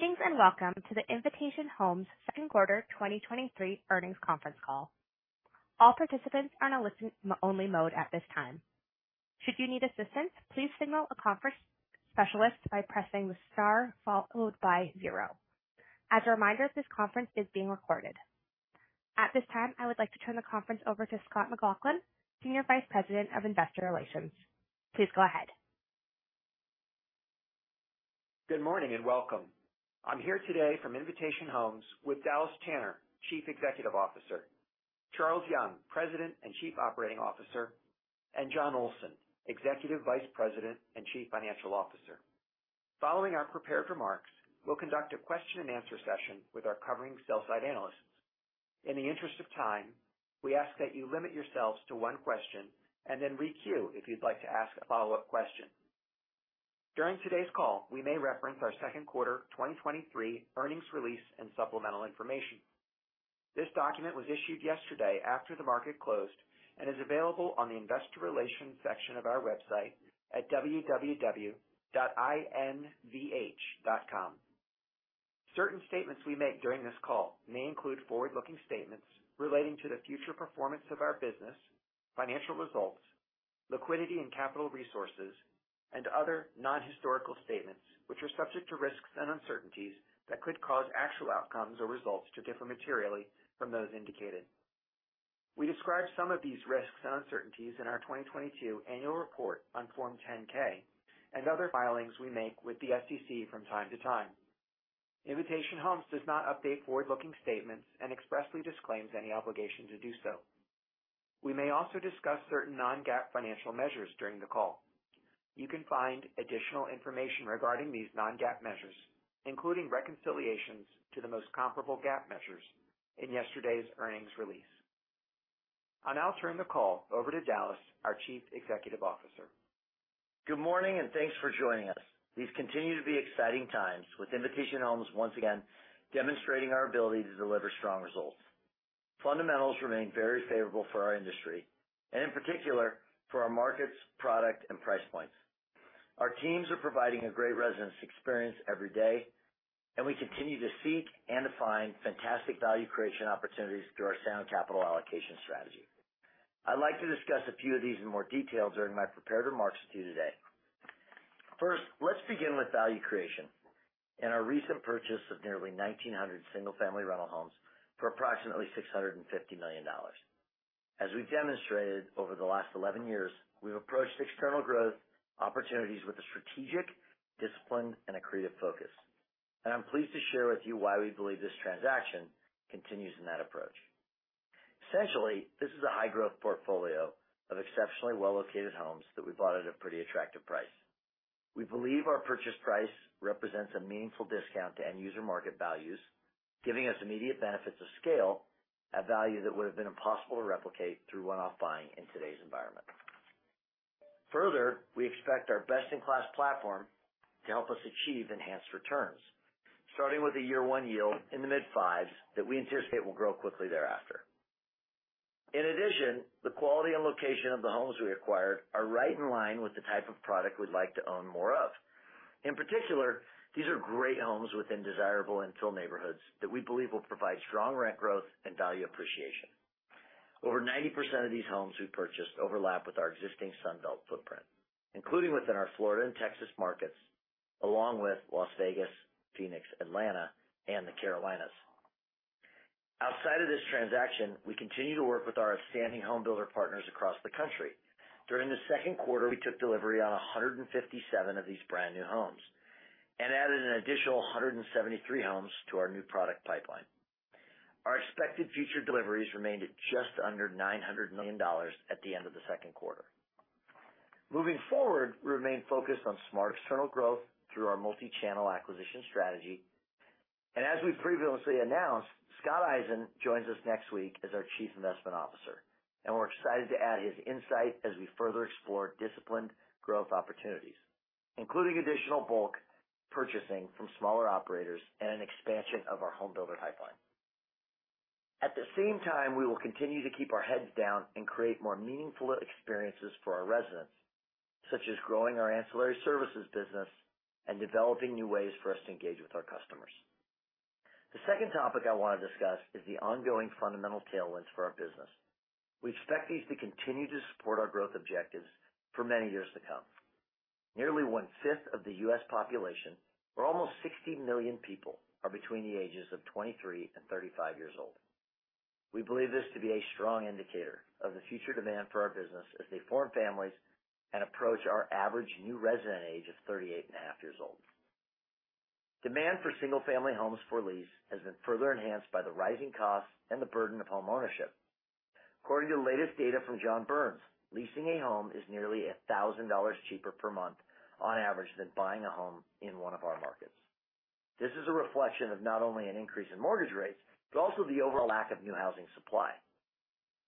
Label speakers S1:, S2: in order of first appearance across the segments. S1: Greetings, welcome to the Invitation Homes second quarter 2023 earnings conference call. All participants are on a listen-only mode at this time. Should you need assistance, please signal a conference specialist by pressing star followed by zero. As a reminder, this conference is being recorded. At this time, I would like to turn the conference over to Scott McLaughlin, Senior Vice President of Investor Relations. Please go ahead.
S2: Good morning, and welcome. I'm here today from Invitation Homes with Dallas Tanner, Chief Executive Officer, Charles Young, President and Chief Operating Officer, and Jon Olsen, Executive Vice President and Chief Financial Officer. Following our prepared remarks, we'll conduct a question-and-answer session with our covering sell-side analysts. In the interest of time, we ask that you limit yourselves to one question and then re queue if you'd like to ask a follow-up question. During today's call, we may reference our second quarter 2023 earnings release and supplemental information. This document was issued yesterday after the market closed and is available on the Investor Relations section of our website at www.invh.com. Certain statements we make during this call may include forward-looking statements relating to the future performance of our business, financial results, liquidity and capital resources, and other non-historical statements, which are subject to risks and uncertainties that could cause actual outcomes or results to differ materially from those indicated. We describe some of these risks and uncertainties in our 2022 annual report on Form 10-K and other filings we make with the SEC from time to time. Invitation Homes does not update forward-looking statements and expressly disclaims any obligation to do so. We may also discuss certain non-GAAP financial measures during the call. You can find additional information regarding these non-GAAP measures, including reconciliations to the most comparable GAAP measures in yesterday's earnings release. I'll now turn the call over to Dallas, our Chief Executive Officer.
S3: Good morning. Thanks for joining us. These continue to be exciting times, with Invitation Homes once again demonstrating our ability to deliver strong results. Fundamentals remain very favorable for our industry and, in particular, for our markets, product, and price points. Our teams are providing a great residence experience every day, and we continue to seek and to find fantastic value creation opportunities through our sound capital allocation strategy. I'd like to discuss a few of these in more detail during my prepared remarks to you today. First, let's begin with value creation and our recent purchase of nearly 1,900 single-family rental homes for approximately $650 million. As we've demonstrated over the last 11 years, we've approached external growth opportunities with a strategic discipline and accretive focus. I'm pleased to share with you why we believe this transaction continues in that approach. Essentially, this is a high-growth portfolio of exceptionally well-located homes that we bought at a pretty attractive price. We believe our purchase price represents a meaningful discount to end-user market values, giving us immediate benefits of scale, a value that would have been impossible to replicate through one-off buying in today's environment. Further, we expect our best-in-class platform to help us achieve enhanced returns, starting with a year one yield in the mid-5s that we anticipate will grow quickly thereafter. In addition, the quality and location of the homes we acquired are right in line with the type of product we'd like to own more of. In particular, these are great homes within desirable infill neighborhoods that we believe will provide strong rent growth and value appreciation. Over 90% of these homes we purchased overlap with our existing Sun Belt footprint, including within our Florida and Texas markets, along with Las Vegas, Phoenix, Atlanta, and the Carolinas. Outside of this transaction, we continue to work with our outstanding home builder partners across the country. During the second quarter, we took delivery on 157 of these brand-new homes and added an additional 173 homes to our new product pipeline. Our expected future deliveries remained at just under $900 million at the end of the second quarter. Moving forward, we remain focused on smart external growth through our multi-channel acquisition strategy. As we previously announced, Scott Eisen joins us next week as our Chief Investment Officer, and we're excited to add his insight as we further explore disciplined growth opportunities, including additional bulk purchasing from smaller operators and an expansion of our home builder pipeline. At the same time, we will continue to keep our heads down and create more meaningful experiences for our residents, such as growing our ancillary services business and developing new ways for us to engage with our customers. The second topic I want to discuss is the ongoing fundamental tailwinds for our business. We expect these to continue to support our growth objectives for many years to come. Nearly 1/5 of the U.S. population, or almost 60 million people, are between the ages of 23 and 35 years old. We believe this to be a strong indicator of the future demand for our business as they form families and approach our average new resident age of 38.5 years old. Demand for single-family homes for lease has been further enhanced by the rising costs and the burden of homeownership. According to the latest data from John Burns, leasing a home is nearly $1,000 cheaper per month on average than buying a home in one of our markets. This is a reflection of not only an increase in mortgage rates, but also the overall lack of new housing supply.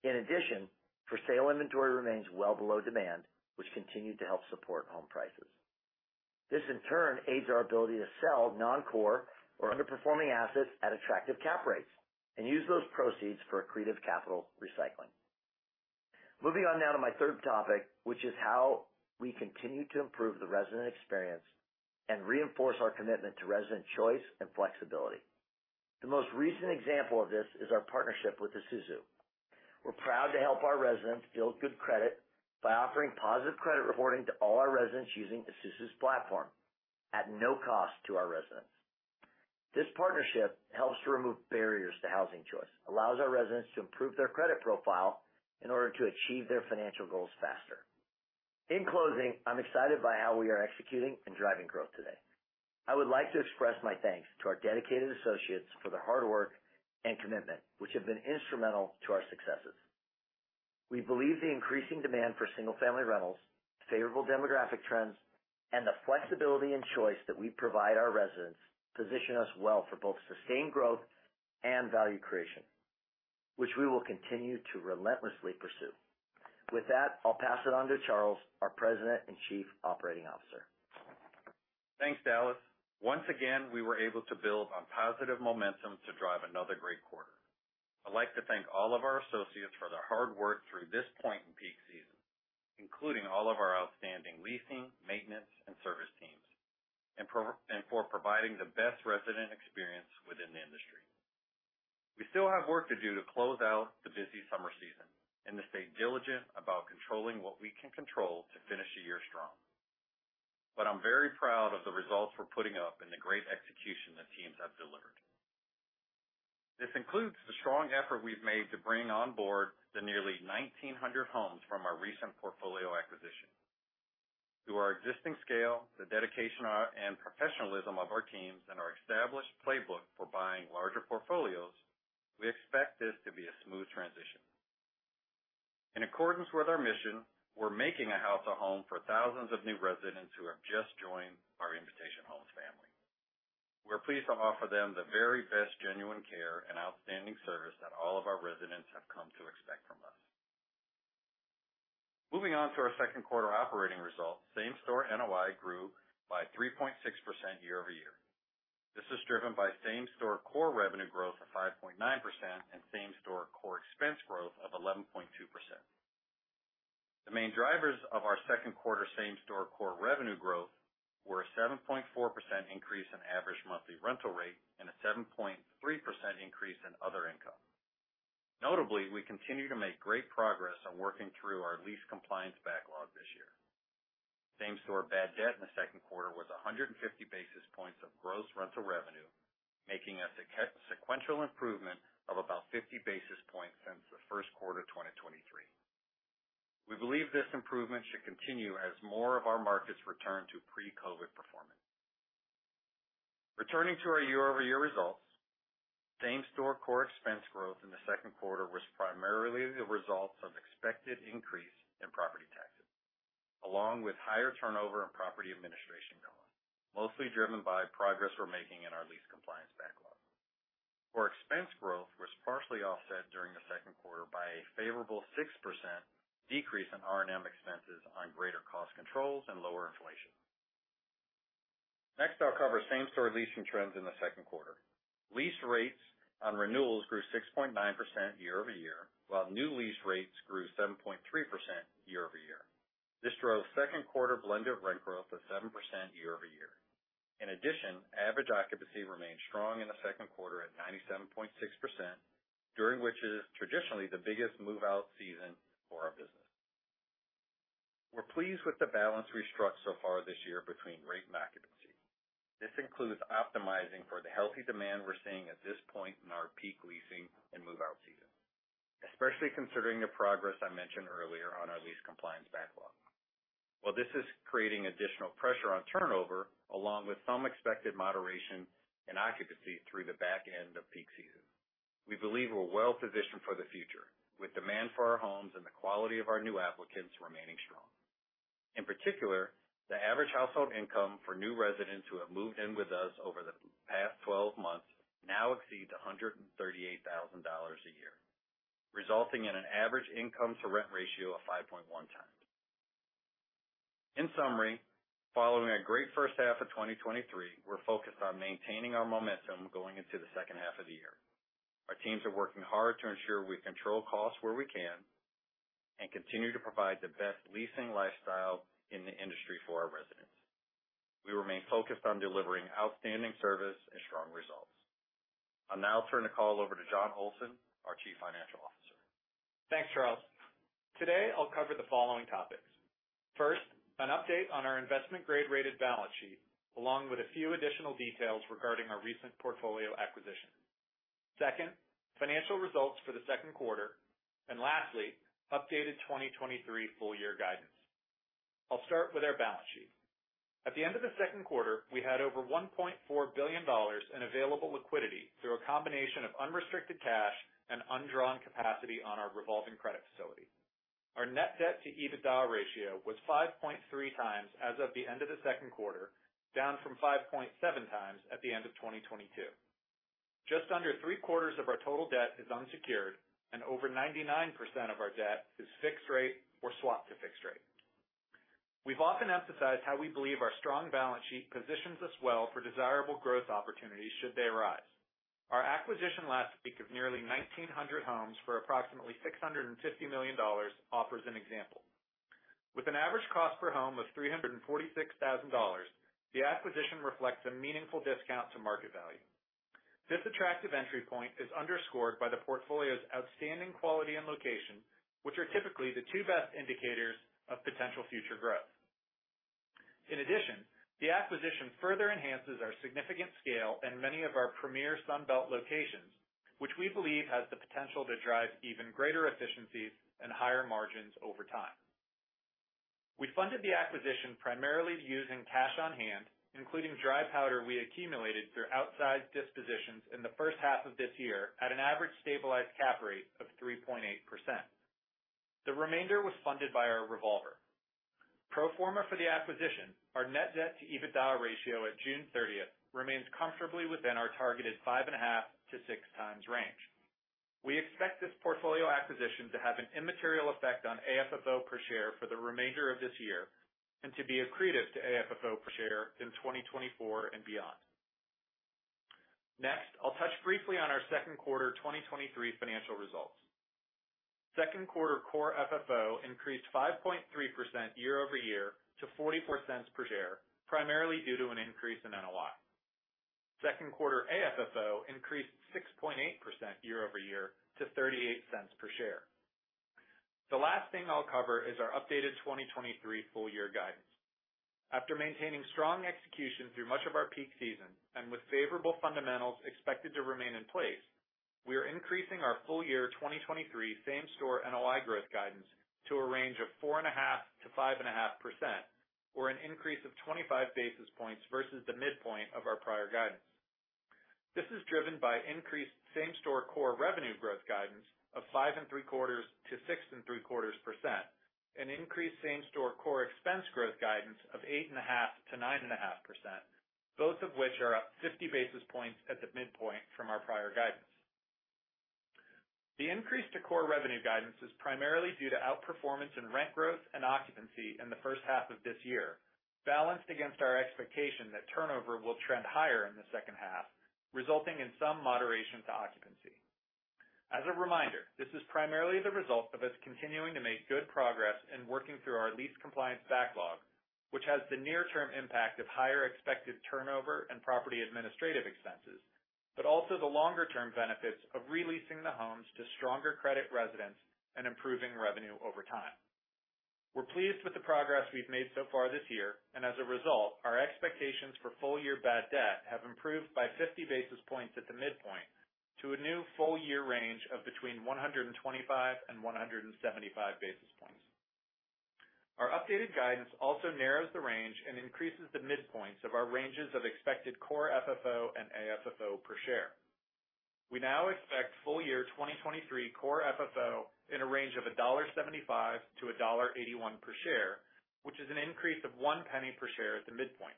S3: In addition, for-sale inventory remains well below demand, which continued to help support home prices. This, in turn, aids our ability to sell non-core or underperforming assets at attractive cap rates and use those proceeds for accretive capital recycling. Moving on now to my third topic, which is how we continue to improve the resident experience and reinforce our commitment to resident choice and flexibility. The most recent example of this is our partnership with Esusu. We're proud to help our residents build good credit by offering positive credit reporting to all our residents using Esusu's platform at no cost to our residents. This partnership helps to remove barriers to housing choice, allows our residents to improve their credit profile in order to achieve their financial goals faster. In closing, I'm excited by how we are executing and driving growth today. I would like to express my thanks to our dedicated associates for their hard work and commitment, which have been instrumental to our successes. We believe the increasing demand for single-family rentals, favorable demographic trends, and the flexibility and choice that we provide our residents, position us well for both sustained growth and value creation, which we will continue to relentlessly pursue. With that, I'll pass it on to Charles, our President and Chief Operating Officer.
S4: Thanks, Dallas. Once again, we were able to build on positive momentum to drive another great quarter. I'd like to thank all of our associates for their hard work through this point in peak season, including all of our outstanding leasing, maintenance, and service teams, and for providing the best resident experience within the industry. We still have work to do to close out the busy summer season and to stay diligent about controlling what we can control to finish the year strong. I'm very proud of the results we're putting up and the great execution the teams have delivered. This includes the strong effort we've made to bring on board the nearly 1,900 homes from our recent portfolio acquisition. Through our existing scale, the dedication, and professionalism of our teams, and our established playbook for buying larger portfolios, we expect this to be a smooth transition. In accordance with our mission, we're making a house a home for thousands of new residents who have just joined our Invitation Homes family. We're pleased to offer them the very best genuine care and outstanding service that all of our residents have come to expect from us. Moving on to our second quarter operating results. Same-store NOI grew by 3.6% year-over-year. This is driven by same-store core revenue growth of 5.9% and same-store core expense growth of 11.2%. The main drivers of our second quarter same-store core revenue growth were a 7.4% increase in average monthly rental rate and a 7.3% increase in other income. Notably, we continue to make great progress on working through our lease compliance backlog this year. Same-store bad debt in the second quarter was 150 basis points of gross rental revenue, making a sequential improvement of about 50 basis points since the first quarter of 2023. We believe this improvement should continue as more of our markets return to pre-COVID performance. Returning to our year-over-year results, same-store core expense growth in the second quarter was primarily the result of expected increase in property taxes, along with higher turnover and property administration growth, mostly driven by progress we're making in our lease compliance backlog. Our expense growth was partially offset during the second quarter by a favorable 6% decrease in R&M expenses on greater cost controls and lower inflation. I'll cover same-store leasing trends in the second quarter. Lease rates on renewals grew 6.9% year-over-year, while new lease rates grew 7.3% year-over-year. This drove second quarter blend of rent growth of 7% year-over-year. Average occupancy remained strong in the second quarter at 97.6%, during which is traditionally the biggest move-out season for our business. We're pleased with the balance we struck so far this year between rate and occupancy. This includes optimizing for the healthy demand we're seeing at this point in our peak leasing and move-out season, especially considering the progress I mentioned earlier on our lease compliance backlog. While this is creating additional pressure on turnover, along with some expected moderation in occupancy through the back end of peak season, we believe we're well positioned for the future, with demand for our homes and the quality of our new applicants remaining strong. In particular, the average household income for new residents who have moved in with us over the past 12 months now exceeds $138,000 a year, resulting in an average income-to-rent ratio of 5.1x. In summary, following a great first half of 2023, we're focused on maintaining our momentum going into the second half of the year. Our teams are working hard to ensure we control costs where we can and continue to provide the best leasing lifestyle in the industry for our residents. We remain focused on delivering outstanding service and strong results. I'll now turn the call over to Jon Olsen, our Chief Financial Officer.
S5: Thanks, Charles. Today, I'll cover the following topics. First, an update on our investment grade-rated balance sheet, along with a few additional details regarding our recent portfolio acquisition. Second, financial results for the second quarter, and lastly, updated 2023 full-year guidance. I'll start with our balance sheet. At the end of the second quarter, we had over $1.4 billion in available liquidity through a combination of unrestricted cash and undrawn capacity on our revolving credit facility. Our net debt-to-EBITDA ratio was 5.3x as of the end of the second quarter, down from 5.7x at the end of 2022. Just under three-quarters of our total debt is unsecured, and over 99% of our debt is fixed rate or swapped to fixed rate. We've often emphasized how we believe our strong balance sheet positions us well for desirable growth opportunities should they arise. Our acquisition last week of nearly 1,900 homes for approximately $650 million offers an example. With an average cost per home of $346,000, the acquisition reflects a meaningful discount to market value. This attractive entry point is underscored by the portfolio's outstanding quality and location, which are typically the two best indicators of potential future growth. In addition, the acquisition further enhances our significant scale in many of our premier Sun Belt locations, which we believe has the potential to drive even greater efficiencies and higher margins over time. We funded the acquisition primarily using cash on hand, including dry powder we accumulated through outside dispositions in the first half of this year at an average stabilized cap rate of 3.8%. The remainder was funded by our revolver. Pro forma for the acquisition, our net debt-to-EBITDA ratio at June thirtieth, remains comfortably within our targeted 5.5x to 6x range. We expect this portfolio acquisition to have an immaterial effect on AFFO per share for the remainder of this year, and to be accretive to AFFO per share in 2024 and beyond. Next, I'll touch briefly on our second quarter 2023 financial results. Second quarter core FFO increased 5.3% year-over-year to $0.44 per share, primarily due to an increase in NOI. Second quarter AFFO increased 6.8% year-over-year to $0.38 per share. The last thing I'll cover is our updated 2023 full-year guidance.. After maintaining strong execution through much of our peak season, with favorable fundamentals expected to remain in place, we are increasing our full-year 2023 same-store NOI growth guidance to a range of 4.5%-5.5%, or an increase of 25 basis points versus the midpoint of our prior guidance. This is driven by increased same-store core revenue growth guidance of 5.75%-6.75%, an increased same-store core expense growth guidance of 8.5%-9.5%, both of which are up 50 basis points at the midpoint from our prior guidance. The increase to core revenue guidance is primarily due to outperformance in rent growth and occupancy in the first half of this year, balanced against our expectation that turnover will trend higher in the second half, resulting in some moderation to occupancy. As a reminder, this is primarily the result of us continuing to make good progress in working through our lease compliance backlog, which has the near-term impact of higher expected turnover and property administrative expenses, but also the longer term benefits of releasing the homes to stronger credit residents and improving revenue over time. We're pleased with the progress we've made so far this year. As a result, our expectations for full-year bad debt have improved by 50 basis points at the midpoint to a new full-year range of between 125 basis points and 175 basis points. Our updated guidance also narrows the range and increases the midpoints of our ranges of expected core FFO and AFFO per share. We now expect full-year 2023 core FFO in a range of $1.75-$1.81 per share, which is an increase of one penny per share at the midpoint.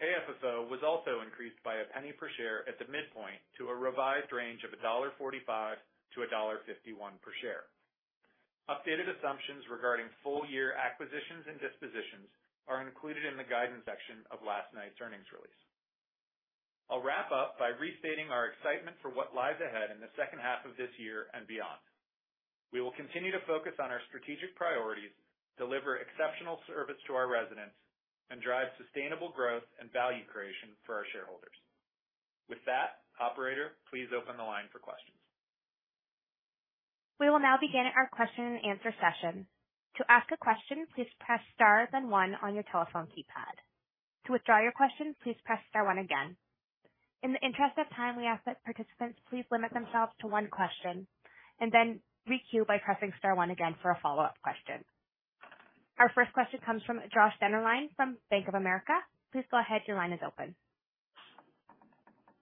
S5: AFFO was also increased by a penny per share at the midpoint to a revised range of $1.45-$1.51 per share. Updated assumptions regarding full-year acquisitions and dispositions are included in the guidance section of last night's earnings release. I'll wrap up by restating our excitement for what lies ahead in the second half of this year and beyond. We will continue to focus on our strategic priorities, deliver exceptional service to our residents, and drive sustainable growth and value creation for our shareholders. With that, operator, please open the line for questions.
S1: We will now begin our question-and-answer session. To ask a question, please press star, then one on your telephone keypad. To withdraw your question, please press star one again. In the interest of time, we ask that participants please limit themselves to one question and then re-queue by pressing star one again for a follow-up question. Our first question comes from Josh Dennerlein from Bank of America. Please go ahead. Your line is open.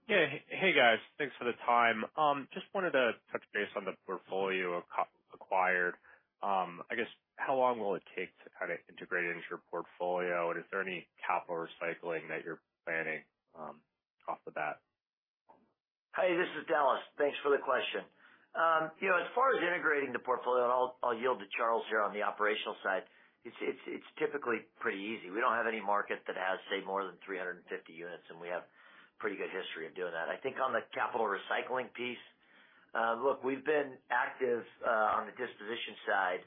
S6: Yeah. Hey, guys, thanks for the time. Just wanted to touch base on the portfolio acquired. I guess, how long will it take to kind of integrate into your portfolio? Is there any capital recycling that you're planning, off the bat?
S3: Hey, this is Dallas. Thanks for the question. You know, as far as integrating the portfolio, I'll yield to Charles here on the operational side, it's typically pretty easy. We don't have any market that has, say, more than 350 units, and we have pretty good history of doing that. I think on the capital recycling piece, look, we've been active on the disposition side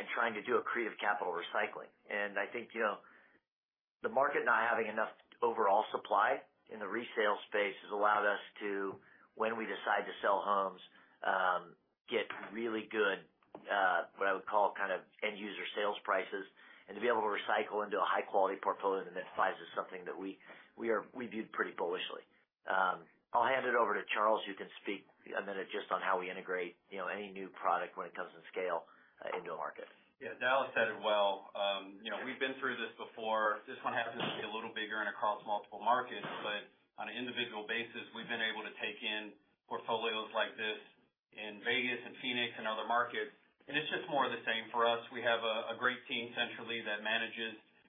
S3: in trying to do accretive capital recycling. I think, you know, the market not having enough overall supply in the resale space has allowed us to, when we decide to sell homes, get really good, what I would call kind of end user sales prices. To be able to recycle into a high quality portfolio that fits is something that we view pretty bullishly. I'll hand it over to Charles, who can speak a minute just on how we integrate, you know, any new product when it comes to scale into a market.
S4: Dallas said it well. you know, we've been through this before. This one happens to be a little bigger and across multiple markets, but on an individual basis, we've been able to take in portfolios like this in Vegas and Phoenix and other markets, and it's just more of the same for us. We have a great team centrally that.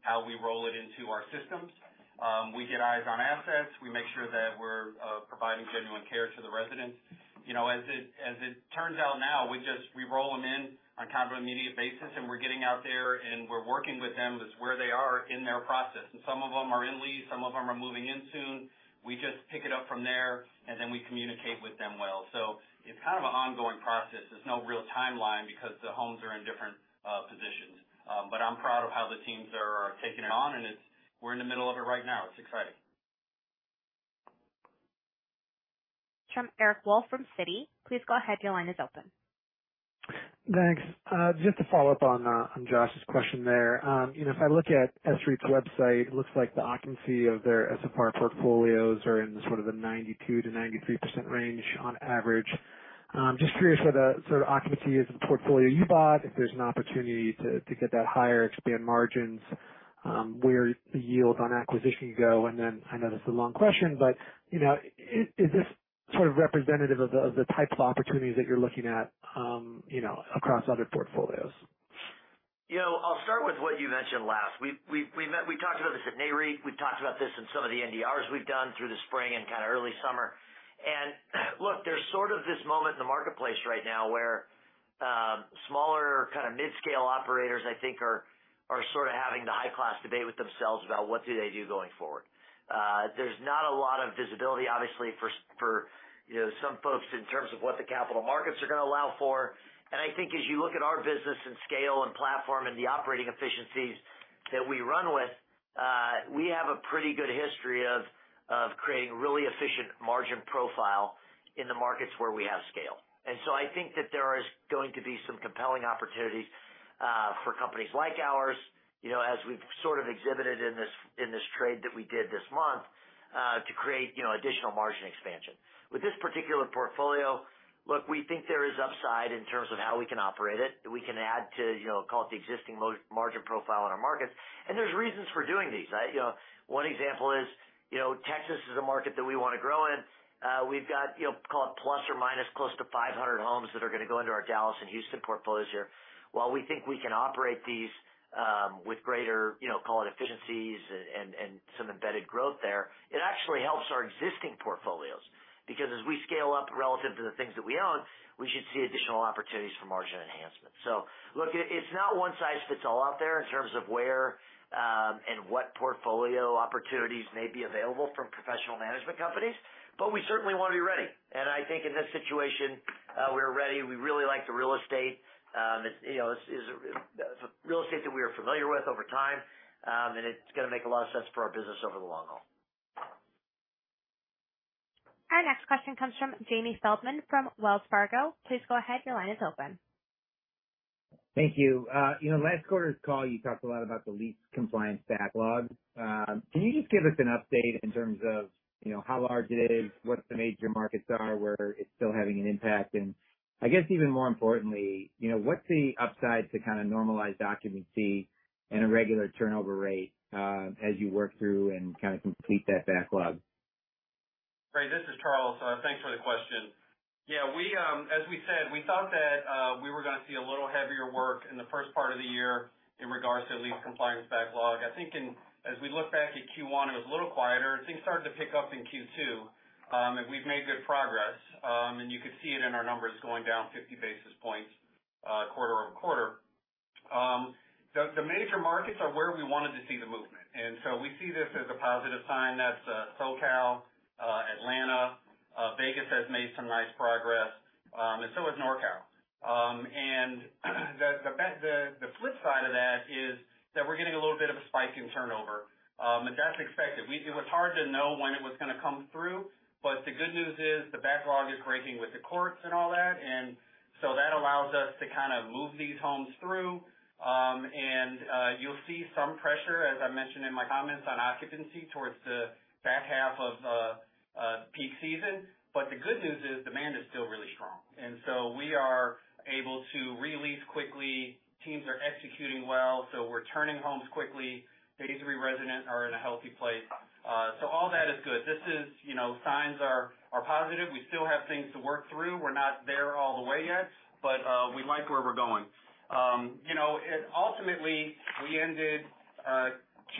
S4: how we roll it into our systems. We get eyes on assets. We make sure that we're providing genuine care to the residents. You know, as it turns out now, we roll them in on kind of an immediate basis, and we're getting out there, and we're working with them is where they are in their process. Some of them are in lease, some of them are moving in soon. We just pick it up from there, and then we communicate with them well. It's kind of an ongoing process. There's no real timeline because the homes are in different positions. I'm proud of how the teams are taking it on, and it's, we're in the middle of it right now. It's exciting.
S1: From Eric Wolfe from Citi. Please go ahead. Your line is open.
S7: Thanks. Just to follow up on Josh's question there. You know, if I look at Green Street's website, it looks like the occupancy of their SFR portfolios are in sort of the 92%-93% range on average. Just curious what the sort of occupancy is of the portfolio you bought, if there's an opportunity to, to get that higher, expand margins, where the yield on acquisition go, and then I know this is a long question, but, you know, is this sort of representative of the type of opportunities that you're looking at, you know, across other portfolios?
S3: You know, I'll start with what you mentioned last. We talked about this at Nareit. We've talked about this in some of the NDRs we've done through the spring and kind of early summer. Look, there's sort of this moment in the marketplace right now where smaller, kind of mid-scale operators, I think are sort of having the high-class debate with themselves about what do they do going forward. There's not a lot of visibility, obviously, for, you know, some folks in terms of what the capital markets are gonna allow for. I think as you look at our business and scale and platform and the operating efficiencies that we run with, we have a pretty good history of creating really efficient margin profile in the markets where we have scale. I think that there is going to be some compelling opportunities for companies like ours, you know, as we've sort of exhibited in this, in this trade that we did this month to create, you know, additional margin expansion. With this particular portfolio, look, we think there is upside in terms of how we can operate it. We can add to, you know, call it the existing margin profile in our markets, and there's reasons for doing these, right? You know, one example is, you know, Texas is a market that we wanna grow in. We've got, you know, call it plus or minus, close to 500 homes that are gonna go into our Dallas and Houston portfolios here. While we think we can operate these, with greater, you know, call it efficiencies and some embedded growth there, it actually helps our existing portfolios, because as we scale up relative to the things that we own, we should see additional opportunities for margin enhancement. Look, it's not one size fits all out there in terms of where and what portfolio opportunities may be available from professional management companies, but we certainly wanna be ready. I think in this situation, we're ready. We really like the real estate. It's, you know, this is a real estate that we are familiar with over time, and it's gonna make a lot of sense for our business over the long haul.
S1: Our next question comes from Jamie Feldman from Wells Fargo. Please go ahead. Your line is open.
S8: Thank you. You know, last quarter's call, you talked a lot about the lease compliance backlog. Can you just give us an update in terms of, you know, how large it is, what the major markets are, where it's still having an impact? I guess even more importantly, you know, what's the upside to kind of normalized occupancy and a regular turnover rate, as you work through and kind of complete that backlog?
S4: Great. This is Charles. Thanks for the question. Yeah, we, as we said, we thought that we were gonna see a little heavier work in the first part of the year in regards to lease compliance backlog. I think as we look back at Q1, it was a little quieter, and things started to pick up in Q2. We've made good progress, and you could see it in our numbers going down 50 basis points quarter-over-quarter. The major markets are where we wanted to see the movement, and so we see this as a positive sign. That's SoCal, Atlanta, Vegas has made some nice progress, and so has NorCal. The flip side of that is that we're getting a little bit of a spike in turnover, but that's expected. It was hard to know when it was gonna come through, but the good news is the backlog is breaking with the courts and all that, and so that allows us to kind of move these homes through. You'll see some pressure, as I mentioned in my comments, on occupancy towards the back half of peak season. The good news is demand is still really strong, and so we are able to re-lease quickly. Teams are executing well, so we're turning homes quickly. Day three resident are in a healthy place. All that is good. This is, you know, signs are positive. We still have things to work through. We're not there all the way yet, but we like where we're going. you know, and ultimately, we ended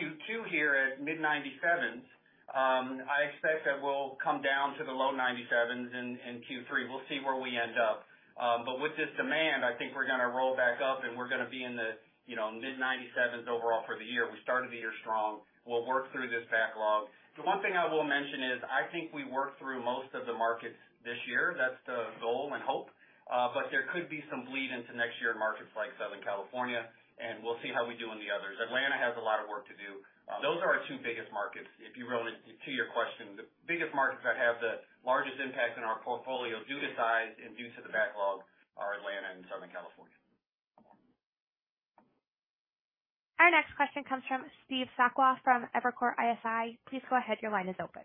S4: Q2 here at mid-97s. I expect that we'll come down to the low 97s in Q3. We'll see where we end up. With this demand, I think we're gonna roll back up, and we're gonna be in the, you know, mid-97s overall for the year. We started the year strong. We'll work through this backlog. The one thing I will mention is I think we worked through most of the markets this year. That's the goal and hope, but there could be some bleed into next year in markets like Southern California, and we'll see how we do in the others. Atlanta has a lot of work to do. Those are our two biggest markets. If you really. To your question, the biggest markets that have the largest impact on our portfolio, due to size and due to the backlog, are Atlanta and Southern California.
S1: Our next question comes from Steve Sakwa, from Evercore ISI. Please go ahead. Your line is open.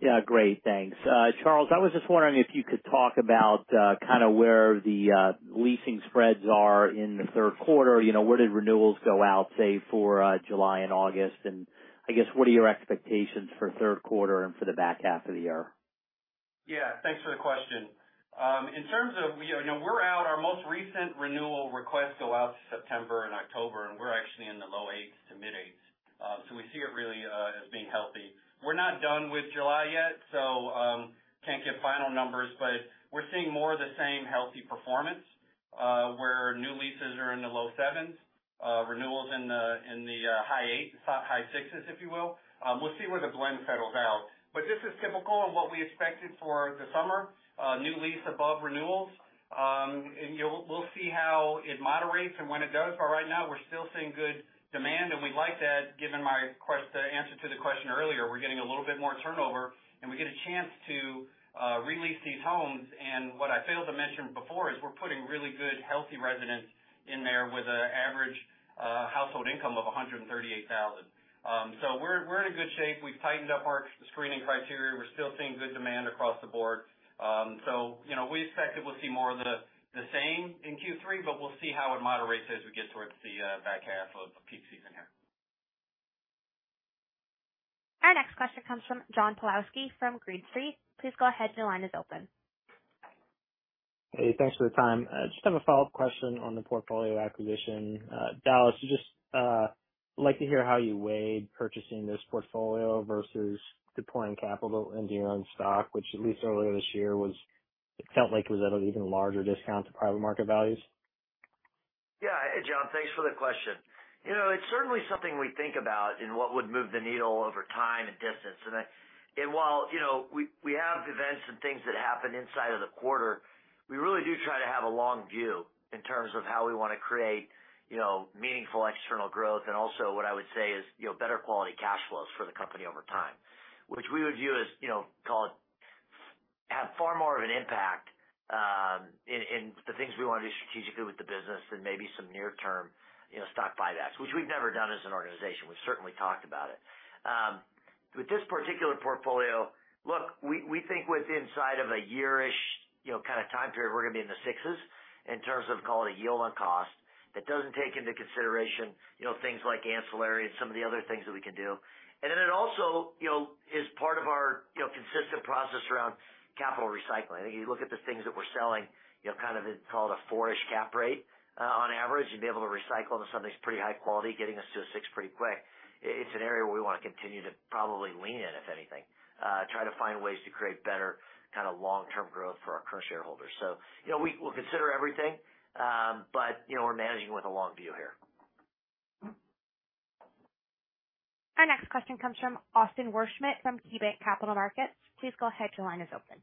S9: Yeah, great, thanks. Charles, I was just wondering if you could talk about kind of where the leasing spreads are in the third quarter. You know, where did renewals go out, say, for July and August? I guess, what are your expectations for third quarter and for the back half of the year?
S4: Yeah, thanks for the question. In terms of, you know, our most recent renewal requests go out September and October, and we're actually in the low 8s to mid-8s. We see it really as being healthy. We're not done with July yet, so, can't give final numbers, but we're seeing more of the same healthy performance, where new leases are in the low 7s, renewals in the high 8s, high 6s, if you will. We'll see where the blend settles out. This is typical of what we expected for the summer, new lease above renewals. You know, we'll see how it moderates and when it does, but right now we're still seeing good demand, and we like that given my answer to the question earlier. We're getting a little bit more turnover, we get a chance to re-lease these homes. What I failed to mention before is we're putting really good, healthy residents in there with an average household income of $138,000. We're in a good shape. We've tightened up our screening criteria. We're still seeing good demand across the board. You know, we expect that we'll see more of the same in Q3, but we'll see how it moderates as we get towards the back half of peak season here.
S1: Our next question comes from John Pawlowski from Green Street. Please go ahead. Your line is open.
S10: Hey, thanks for the time. I just have a follow-up question on the portfolio acquisition. Dallas, I'd just like to hear how you weighed purchasing this portfolio versus deploying capital into your own stock, which at least earlier this year, it felt like it was at an even larger discount to private market values.
S3: Yeah. Hey, John, thanks for the question. You know, it's certainly something we think about in what would move the needle over time and distance. While, you know, we, we have events and things that happen inside of the quarter, we really do try to have a long view in terms of how we want to create, you know, meaningful external growth and also what I would say is, you know, better quality cash flows for the company over time. Which we would view as, you know, call it, have far more of an impact in, in the things we want to do strategically with the business than maybe some near-term, you know, stock buybacks, which we've never done as an organization. We've certainly talked about it. With this particular portfolio, look, we think with inside of a year-ish, you know, kind of time period, we're going to be in the 6s in terms of call it a yield on cost. That doesn't take into consideration, you know, things like ancillary and some of the other things that we can do. Then it also, you know, is part of our, you know, consistent process around capital recycling. I think you look at the things that we're selling, you know, kind of call it a 4-ish cap rate on average, and be able to recycle into something that's pretty high quality, getting us to a 6 pretty quick. It's an area where we want to continue to probably lean in, if anything, try to find ways to create better kind of long-term growth for our current shareholders. You know, we'll consider everything, you know, we're managing with a long view here.
S1: Our next question comes from Austin Wurschmidt from KeyBanc Capital Markets. Please go ahead. Your line is open.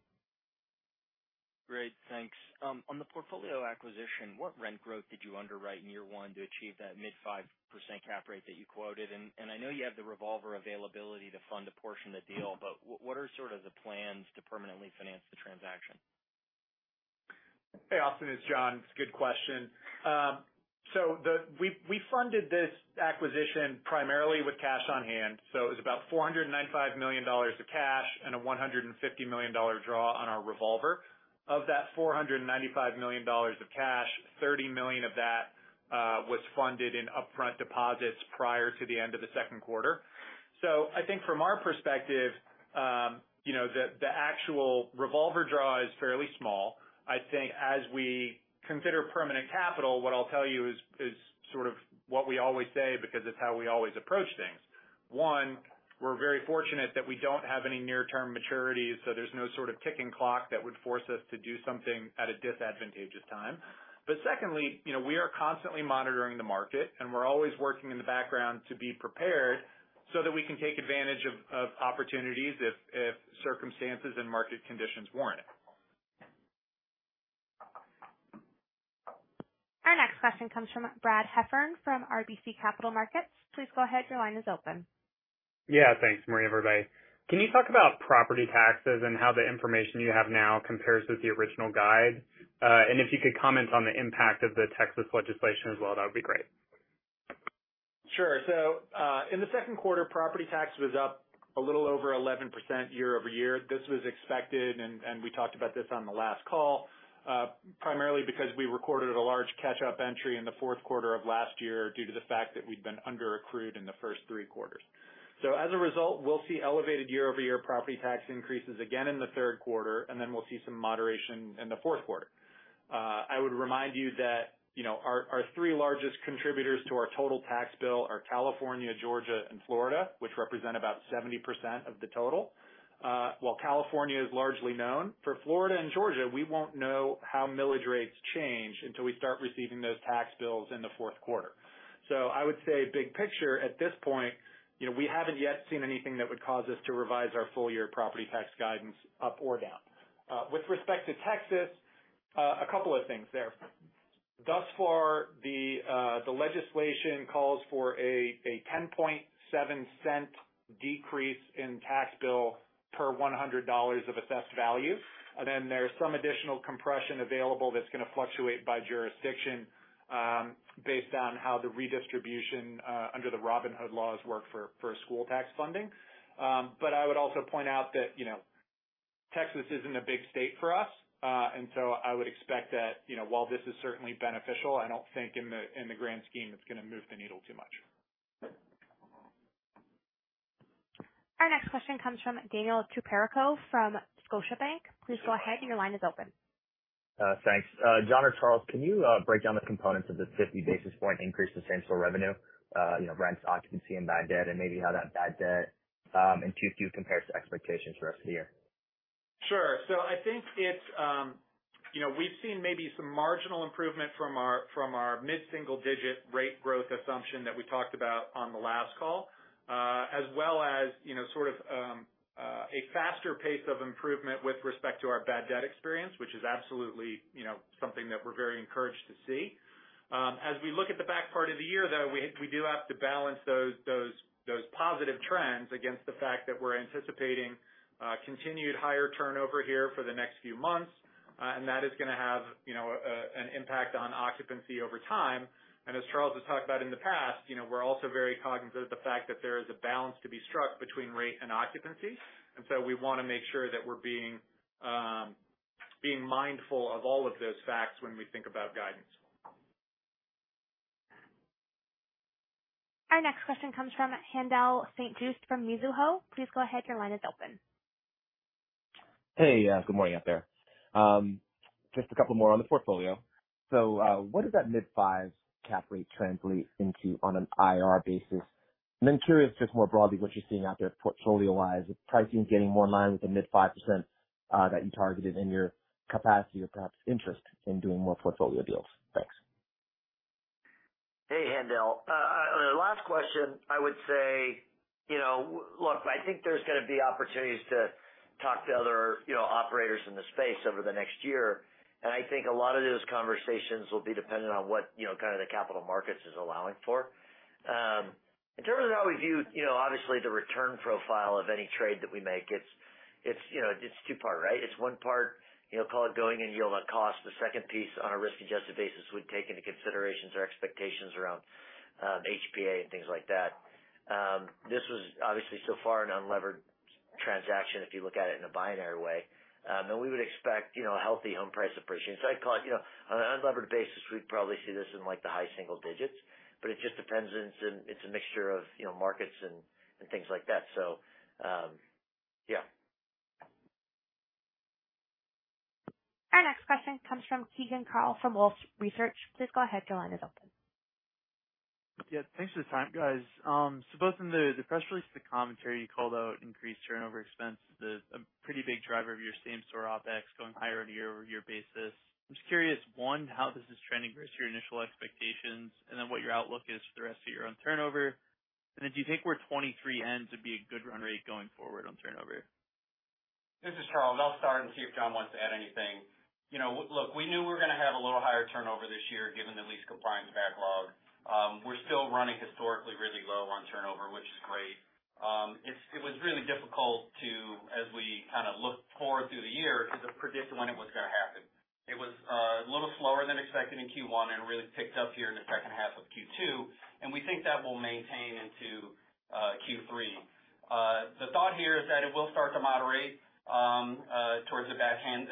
S11: Great, thanks. On the portfolio acquisition, what rent growth did you underwrite in year one to achieve that mid-5% cap rate that you quoted? I know you have the revolver availability to fund a portion of the deal, but what are sort of the plans to permanently finance the transaction?
S5: Hey, Austin, it's Jon. It's a good question. We funded this acquisition primarily with cash on hand, so it was about $495 million of cash and a $150 million draw on our revolver. Of that $495 million of cash, $30 million of that was funded in upfront deposits prior to the end of the second quarter. I think from our perspective, you know, the actual revolver draw is fairly small. I think as we consider permanent capital, what I'll tell you is sort of what we always say, because it's how we always approach things. One, we're very fortunate that we don't have any near-term maturities, so there's no sort of ticking clock that would force us to do something at a disadvantageous time. Secondly, you know, we are constantly monitoring the market, and we're always working in the background to be prepared so that we can take advantage of opportunities if circumstances and market conditions warrant it.
S1: Our next question comes from Brad Heffern from RBC Capital Markets. Please go ahead. Your line is open.
S12: Yeah. Thanks. Good morning, everybody. Can you talk about property taxes and how the information you have now compares with the original guide? If you could comment on the impact of the Texas legislation as well, that would be great.
S5: Sure. In the second quarter, property tax was up a little over 11% year-over-year. This was expected, and we talked about this on the last call, primarily because we recorded a large catch-up entry in the fourth quarter of last year due to the fact that we'd been underaccrued in the first three quarters. As a result, we'll see elevated year-over-year property tax increases again in the third quarter and then we'll see some moderation in the fourth. I would remind you that, you know, our three largest contributors to our total tax bill are California, Georgia, and Florida, which represent about 70% of the total. While California is largely known, for Florida and Georgia, we won't know how millage rates change until we start receiving those tax bills in the fourth quarter. I would say big picture at this point, you know, we haven't yet seen anything that would cause us to revise our full-year property tax guidance up or down. With respect to Texas, a couple of things there. Thus far, the legislation calls for a $0.107 decrease in tax bill per $100 of assessed value. There's some additional compression available that's going to fluctuate by jurisdiction, based on how the redistribution under the Robin Hood laws work for school tax funding. I would also point out that, you know, Texas isn't a big state for us. I would expect that, you know, while this is certainly beneficial, I don't think in the grand scheme, it's going to move the needle too much.
S1: Our next question comes from Daniel Tricarico from Scotiabank. Please go ahead. Your line is open.
S13: Thanks. Jon or Charles, can you break down the components of the 50 basis point increase to same-store revenue, you know, rents, occupancy and bad debt, and maybe how that bad debt in Q2 compares to expectations for the rest of the year?
S5: Sure. I think it's, you know, we've seen maybe some marginal improvement from our mid-single digit rate growth assumption that we talked about on the last call, as well as, you know, sort of a faster pace of improvement with respect to our bad debt experience, which is absolutely, you know, something that we're very encouraged to see. As we look at the back part of the year, though, we do have to balance those positive trends against the fact that we're anticipating continued higher turnover here for the next few months. That is gonna have, you know, an impact on occupancy over time. As Charles has talked about in the past, you know, we're also very cognizant of the fact that there is a balance to be struck between rate and occupancy. We wanna make sure that we're being mindful of all of those facts when we think about guidance.
S1: Our next question comes from Haendel St. Juste from Mizuho. Please go ahead. Your line is open.
S14: Hey, good morning out there. Just a couple more on the portfolio. What does that mid-5s cap rate translate into on an IR basis? Curious, just more broadly, what you're seeing out there portfolio-wise, if pricing is getting more in line with the mid-5%, that you targeted in your capacity or perhaps interest in doing more portfolio deals? Thanks.
S3: Hey, Haendel. On the last question, I would say, you know, look, I think there's gonna be opportunities to talk to other, you know, operators in the space over the next year, and I think a lot of those conversations will be dependent on what, you know, kind of the capital markets is allowing for. In terms of how we view, you know, obviously the return profile of any trade that we make, it's, you know, it's two-part, right? It's 1 part, you know, call it going in yield on cost. The second piece on a risk-adjusted basis would take into considerations or expectations around HPA and things like that. This was obviously so far an unlevered transaction if you look at it in a binary way. We would expect, you know, a healthy home price appreciation. I'd call it, you know, on an unlevered basis, we'd probably see this in like the high single digits, but it just depends, and it's a mixture of, you know, markets and things like that. So, yeah.
S1: Our next question comes from Keegan Carl from Wolfe Research. Please go ahead. Your line is open.
S15: Yeah, thanks for the time, guys. Both in the press release, the commentary, you called out increased turnover expense, a pretty big driver of your same-store OpEx going higher on a year-over-year basis. I'm just curious, one, how this is trending versus your initial expectations and then what your outlook is for the rest of your own turnover. Do you think where 2023 ends would be a good run rate going forward on turnover?
S4: This is Charles. I'll start and see if Jon wants to add anything. You know, look, we knew we were gonna have a little higher turnover this year given the lease compliance backlog. We're still running historically really low on turnover, which is great. It was really difficult to, as we kind of looked forward through the year, to predict when it was gonna happen. It was a little slower than expected in Q1 and really picked up here in the second half of Q2, and we think that will maintain into Q3. The thought here is that it will start to moderate towards the back end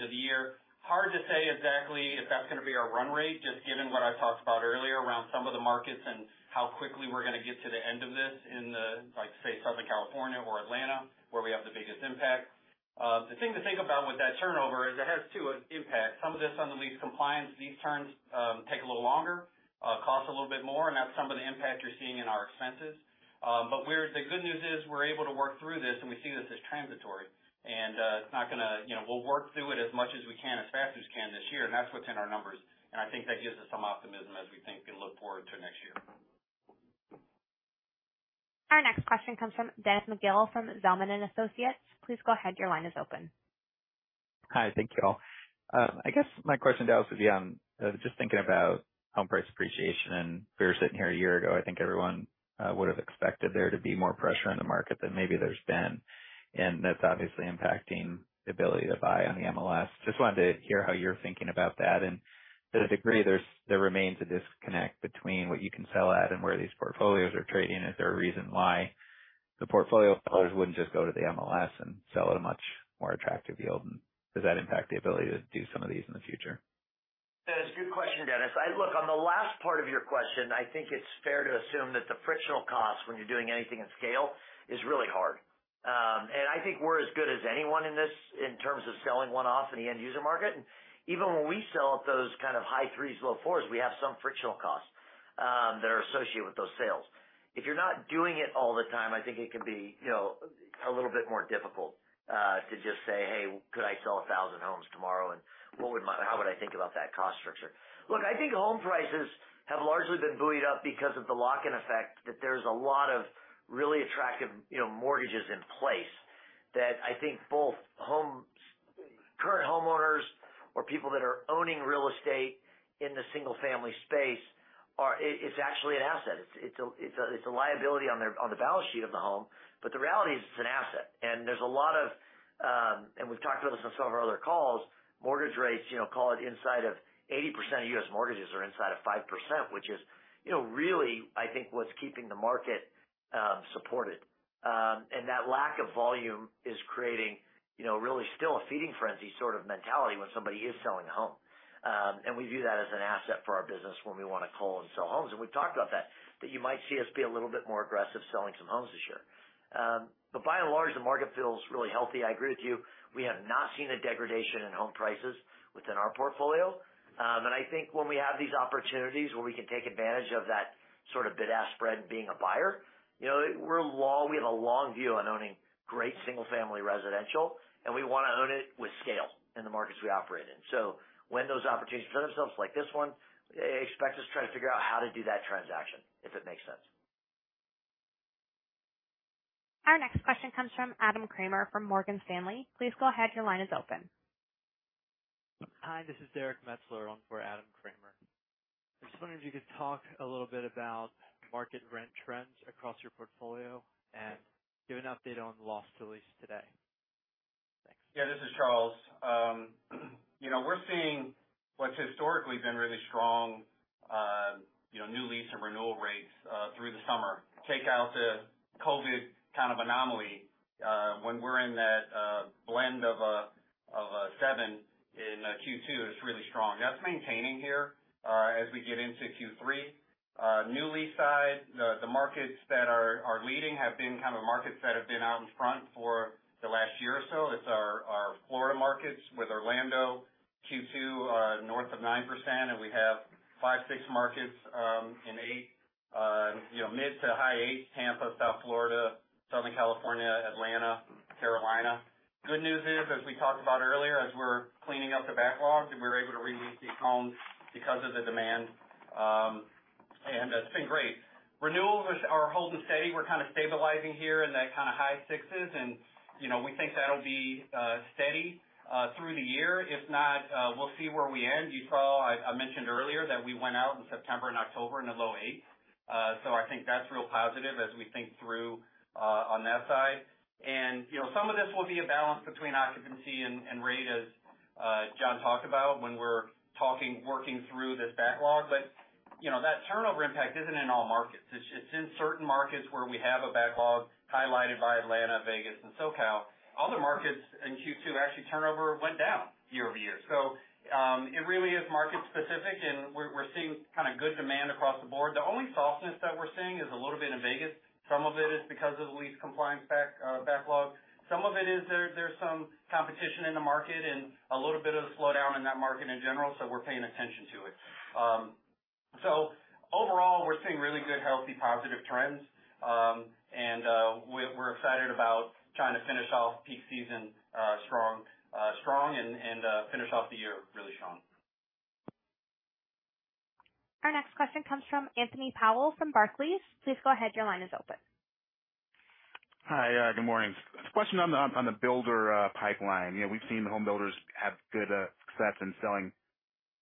S4: of the year. Hard to say exactly if that's gonna be our run rate, just given what I talked about earlier around some of the markets and how quickly we're gonna get to the end of this in the, like, say, Southern California or Atlanta, where we have the biggest impact. The thing to think about with that turnover is it has two impacts. Some of this, some of the lease compliance, these terms, take a little longer, cost a little bit more. That's some of the impact you're seeing in our expenses. The good news is we're able to work through this, and we see this as transitory and, it's not gonna, you know, we'll work through it as much as we can, as fast as we can this year, and that's what's in our numbers, and I think that gives us some optimism as we think and look forward to next year.
S1: Our next question comes from Dennis McGill from Zelman & Associates. Please go ahead. Your line is open.
S16: Hi, thank you all. I guess my question to us would be on just thinking about home price appreciation, and if we were sitting here a year ago, I think everyone would have expected there to be more pressure in the market than maybe there's been, and that's obviously impacting the ability to buy on the MLS. Just wanted to hear how you're thinking about that. To the degree there remains a disconnect between what you can sell at and where these portfolios are trading. Is there a reason why the portfolio holders wouldn't just go to the MLS and sell at a much more attractive yield, and does that impact the ability to do some of these in the future?
S3: That's a good question, Dennis. Look, on the last part of your question, I think it's fair to assume that the frictional cost when you're doing anything at scale is really hard. I think we're as good as anyone in this in terms of selling one-off in the end user market. Even when we sell at those kind of high threes, low fours, we have some frictional costs that are associated with those sales. If you're not doing it all the time, I think it can be, you know, a little bit more difficult to just say, "Hey, could I sell 1,000 homes tomorrow, and what would my, how would I think about that cost structure?" Look, I think home prices have largely been buoyed up because of the lock-in effect, that there's a lot of really attractive, you know, mortgages in place that I think both home, current homeowners or people that are owning real estate in the single-family space are, it's actually an asset. It's a, it's a, it's a liability on their, on the balance sheet of the home, but the reality is, it's an asset. There's a lot of, and we've talked about this on some of our other calls, mortgage rates, you know, call it inside of 80% of U.S. mortgages are inside of 5%, which is, you know, really, I think, what's keeping the market supported. That lack of volume is creating, you know, really still a feeding frenzy sort of mentality when somebody is selling a home. We view that as an asset for our business when we want to call and sell homes. We've talked about that, that you might see us be a little bit more aggressive selling some homes this year. By and large, the market feels really healthy. I agree with you. We have not seen a degradation in home prices within our portfolio. I think when we have these opportunities where we can take advantage of that sort of bid-ask spread, being a buyer, you know, we have a long view on owning great single-family residential, and we wanna own it with scale in the markets we operate in. When those opportunities present themselves, like this one, expect us to try to figure out how to do that transaction, if it makes sense.
S1: Our next question comes from Adam Kramer from Morgan Stanley. Please go ahead. Your line is open.
S17: Hi, this is Derrick Metzler on for Adam Kramer. I just wondered if you could talk a little bit about market rent trends across your portfolio and give an update on loss to lease today. Thanks.
S4: Yeah, this is Charles. you know, we're seeing what's historically been really strong, you know, new lease and renewal rates, through the summer. Take out the COVID kind of anomaly, when we're in that blend of a 7% in Q2, it's really strong. That's maintaining here, as we get into Q3. new lease side, the markets that are leading have been kind of markets that have been out in front for the last year or so. It's our Florida markets with Orlando, Q2, north of 9%, and we have five, six markets, in 8%, you know, mid to high 8%: Tampa, South Florida, Southern California, Atlanta, Carolina. Good news is, as we talked about earlier, as we're cleaning out the backlog, and we're able to re-lease these homes because of the demand. It's been great. Renewals are holding steady. We're kind of stabilizing here in that kind of high 6s, you know, we think that'll be steady through the year. If not, we'll see where we end. You saw, I mentioned earlier that we went out in September and October in the low 8s. I think that's real positive as we think through on that side. You know, some of this will be a balance between occupancy and rate, as Jon talked about when we're talking, working through this backlog. You know, that turnover impact isn't in all markets. It's in certain markets where we have a backlog highlighted by Atlanta, Vegas, and SoCal. Other markets in Q2, actually, turnover went down year-over-year. It really is market specific, and we're seeing kind of good demand across the board. The only softness that we're seeing is a little bit in Vegas. Some of it is because of the lease compliance backlog. Some of it is there's some competition in the market and a little bit of a slowdown in that market in general, we're paying attention to it. Overall, we're seeing really good, healthy, positive trends. And we're excited about trying to finish off peak season strong and finish off the year really strong.
S1: Our next question comes from Anthony Powell, from Barclays. Please go ahead. Your line is open.
S18: Hi, good morning. A question on the builder pipeline. You know, we've seen the homebuilders have good success in selling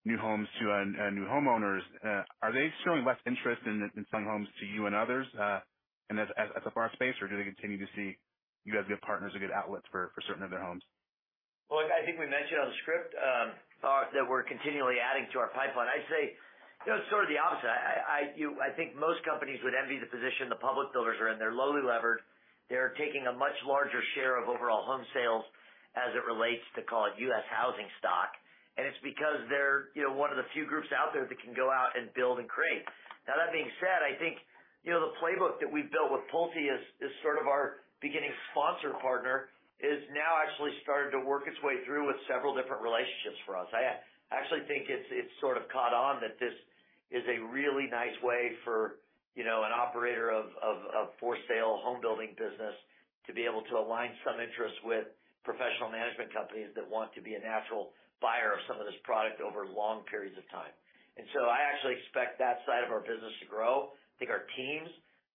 S18: new homes to new homeowners. Are they showing less interest in selling homes to you and others, and as a far space, or do they continue to see you guys as good partners or good outlets for certain of their homes?
S3: Well, I think we mentioned on the script that we're continually adding to our pipeline. I'd say, you know, sort of the opposite. I think most companies would envy the position the public builders are in. They're lowly levered. They're taking a much larger share of overall home sales as it relates to, call it, U.S. housing stock. It's because they're, you know, one of the few groups out there that can go out and build and create. That being said, I think, you know, the playbook that we've built with PulteGroup is, is sort of our beginning sponsor partner, is now actually starting to work its way through with several different relationships for us. I actually think it's sort of caught on that this is a really nice way for, you know, an operator of for-sale homebuilding business to be able to align some interests with professional management companies that want to be a natural buyer of some of this product over long periods of time. I actually expect that side of our business to grow. I think our teams,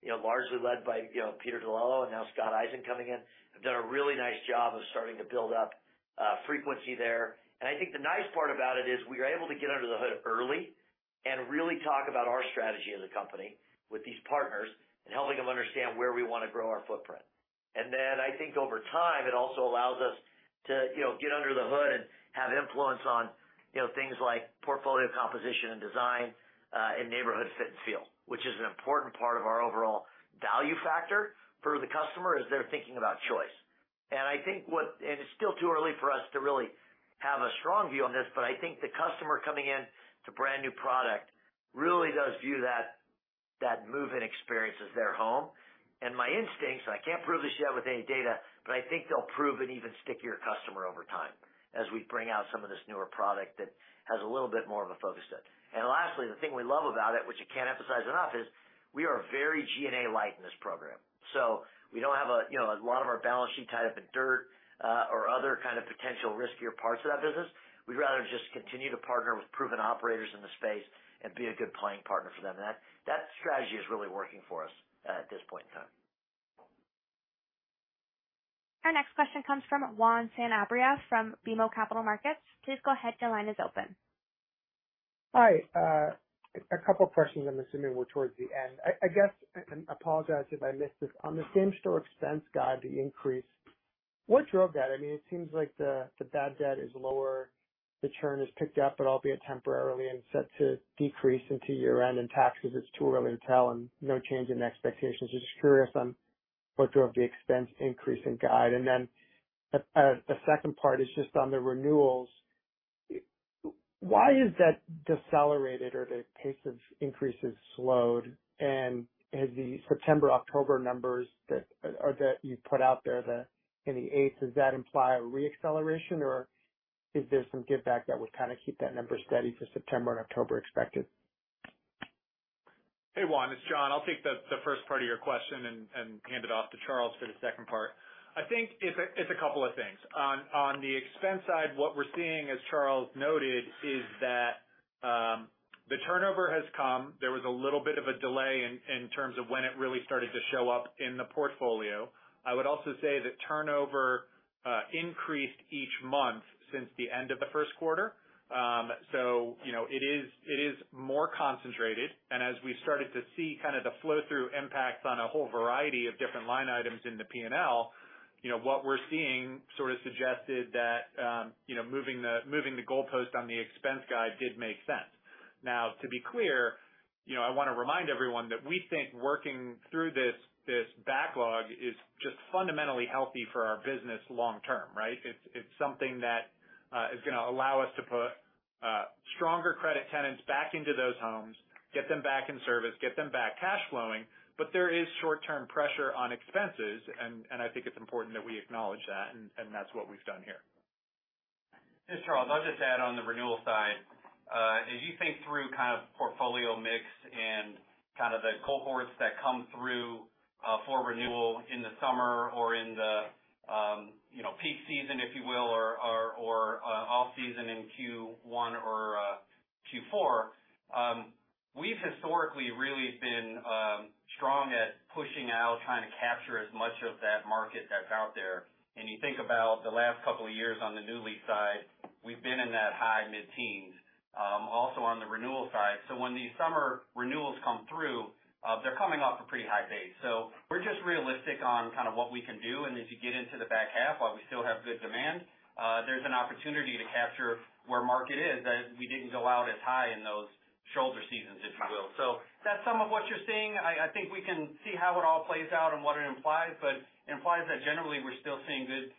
S3: you know, largely led by, you know, Peter DiLello and now Scott Eisen coming in, have done a really nice job of starting to build up frequency there. I think the nice part about it is, we are able to get under the hood early and really talk about our strategy as a company with these partners and helping them understand where we want to grow our footprint. I think over time, it also allows us to, you know, get under the hood and have influence on, you know, things like portfolio composition and design, and neighborhood fit and feel, which is an important part of our overall value factor for the customer as they're thinking about choice. I think it's still too early for us to really have a strong view on this, but I think the customer coming in to brand-new product really does view that move-in experience as their home. My instincts, and I can't prove this yet with any data, but I think they'll prove an even stickier customer over time as we bring out some of this newer product that has a little bit more of a focus to it. Lastly, the thing we love about it, which I can't emphasize enough, is we are very G&A light in this program. We don't have a, you know, a lot of our balance sheet tied up in dirt, or other kind of potential riskier parts of that business. We'd rather just continue to partner with proven operators in the space and be a good playing partner for them. That strategy is really working for us at this point in time.
S1: Our next question comes from Juan Sanabria, from BMO Capital Markets. Please go ahead. Your line is open.
S19: Hi, a couple of questions I'm assuming we're towards the end. I guess, I apologize if I missed this. On the same-store expense guide, the increase— What drove that? I mean, it seems like the bad debt is lower, the churn has picked up, but albeit temporarily, and set to decrease into year-end, and taxes, it's too early to tell, and no change in expectations. Just curious on what drove the expense increase in guide? Then, the second part is just on the renewals. Why is that decelerated or the pace of increases slowed? Has the September, October numbers that, or that you put out there, in the eighth, does that imply a re-acceleration, or is there some giveback that would kind of keep that number steady for September and October expected?
S5: Hey, Juan, it's Jon. I'll take the first part of your question and hand it off to Charles for the second part. I think it's a couple of things. On the expense side, what we're seeing, as Charles noted, is that the turnover has come. There was a little bit of a delay in terms of when it really started to show up in the portfolio. I would also say that turnover increased each month since the end of the first quarter. You know, it is more concentrated, and as we started to see kind of the flow-through impacts on a whole variety of different line items in the P&L, you know, what we're seeing sort of suggested that you know, moving the goalpost on the expense guide did make sense. Now, to be clear, you know, I wanna remind everyone that we think working through this, this backlog is just fundamentally healthy for our business long term, right? It's, it's something that is gonna allow us to put stronger credit tenants back into those homes, get them back in service, get them back cash flowing. There is short-term pressure on expenses, and I think it's important that we acknowledge that, and that's what we've done here. Hey, Charles, I'll just add on the renewal side. As you think through kind of portfolio mix and kind of the cohorts that come through, for renewal in the summer or in the, you know, peak season, if you will, or off-season in Q1 or Q4, we've historically really been strong at pushing out, trying to capture as much of that market that's out there. You think about the last couple of years on the new lease side, we've been in that high mid-teens, also on the renewal side. When these summer renewals come through, they're coming off a pretty high base.
S4: We're just realistic on kind of what we can do, and as you get into the back half, while we still have good demand, there's an opportunity to capture where market is, as we didn't go out as high in those shoulder seasons, if you will. That's some of what you're seeing. I, I think we can see how it all plays out and what it implies, but it implies that generally we're still seeing good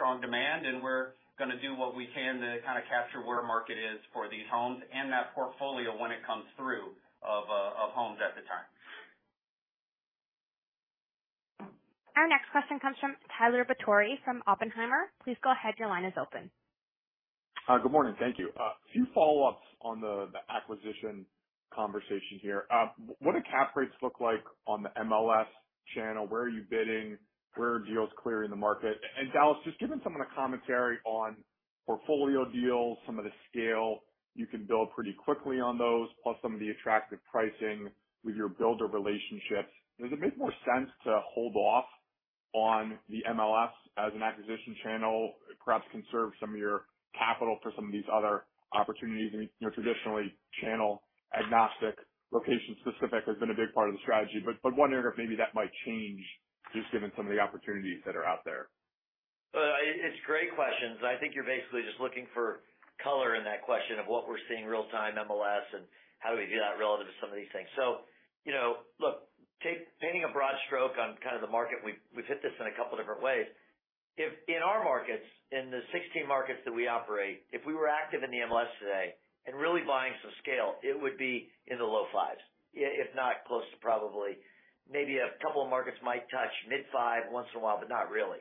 S4: strong demand, and we're gonna do what we can to kind of capture where market is for these homes and that portfolio when it comes through of homes at the time.
S1: Our next question comes from Tyler Batory from Oppenheimer. Please go ahead. Your line is open.
S20: Good morning. Thank you. Two follow-ups on the, the acquisition conversation here. What do cap rates look like on the MLS channel? Where are you bidding? Where are deals clearing the market? Dallas, just given some of the commentary on portfolio deals, some of the scale, you can build pretty quickly on those, plus some of the attractive pricing with your builder relationships. Does it make more sense to hold off on the MLS as an acquisition channel, perhaps conserve some of your capital for some of these other opportunities? I mean, you know, traditionally, channel agnostic, location specific has been a big part of the strategy, but wondering if maybe that might change, just given some of the opportunities that are out there.
S3: It's great questions. I think you're basically just looking for color in that question of what we're seeing real-time MLS and how do we view that relative to some of these things. You know, look, painting a broad stroke on kind of the market, we've hit this in a couple different ways. If, in our markets, in the 16 markets that we operate, if we were active in the MLS today and really buying some scale, it would be in the low 5s, if not close to probably maybe a couple of markets might touch mid-5 once in a while, but not really.